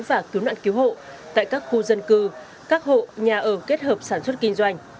và cứu nạn cứu hộ tại các khu dân cư các hộ nhà ở kết hợp sản xuất kinh doanh